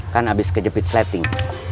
kan abis kejepit sleting